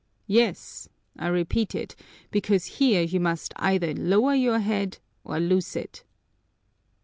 "Yes, I repeat it, because here you must either lower your head or lose it."